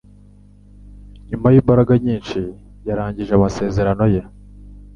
Nyuma yimbaraga nyinshi, yarangije amasezerano.